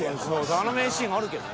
あの名シーンあるけどな。